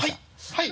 はい。